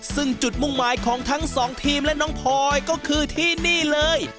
ซึ่งจุดมุ่งหมายของทั้งสองทีมและน้องพลอยก็คือที่นี่เลย